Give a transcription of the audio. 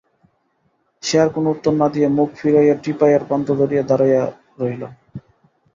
সে আর কোনো উত্তর না দিয়া মুখ ফিরাইয়া টিপাইয়ের প্রান্ত ধরিয়া দাঁড়াইয়া রহিল।